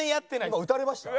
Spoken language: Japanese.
今撃たれました？